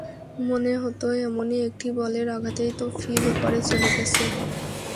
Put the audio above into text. মনে হতো, এমনই একটি বলের আঘাতেই তো ফিল ওপারে চলে গেছে।